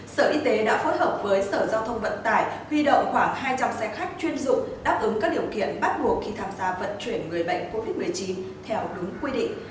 sở y tế đã phối hợp với sở giao thông vận tải huy động khoảng hai trăm linh xe khách chuyên dụng đáp ứng các điều kiện bắt buộc khi tham gia vận chuyển người bệnh covid một mươi chín theo đúng quy định